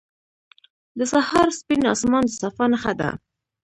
• د سهار سپین آسمان د صفا نښه ده.